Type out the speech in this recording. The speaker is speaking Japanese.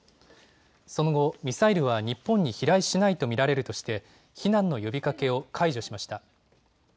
その後、ミサイルは日本に飛来しないと見られるとして避難の呼びかけを解除しました。